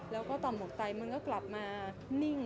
แล้วก็ต่อหมวกไตมันก็กลับมานิ่ง